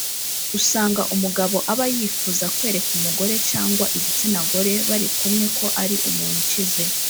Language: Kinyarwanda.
usanga umugabo aba yifuza kwereka umugore cyangwa igitsinagore bari kumwe ko ari umuntu ukize